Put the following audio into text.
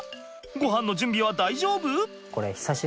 ごはんの準備は大丈夫？